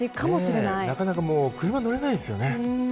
なかなか車に乗れないですね。